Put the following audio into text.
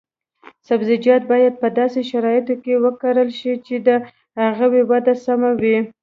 سبزیجات باید په داسې شرایطو کې وکرل شي چې د هغوی وده سمه وي.